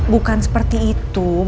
bukan seperti itu